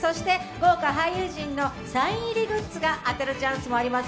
豪華俳優陣のサイン入りグッズが当たるチャンスもあります。